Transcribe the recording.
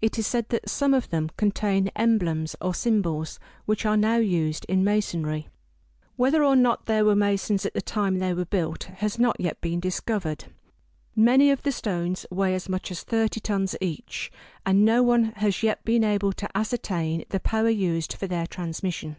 It is said that some of them contain emblems or symbols, which are now used in masonry. Whether or not there were masons at the time they were built, has not yet been discovered. Many of the stones weigh as much as thirty tons each, and no one has yet been able to ascertain the power used for their transmission.